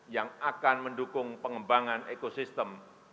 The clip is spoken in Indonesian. yang akan mendukung pengembangan ekosistem